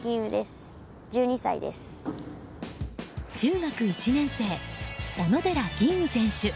中学１年生、小野寺吟雲選手。